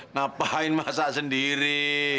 ngapain masak sendiri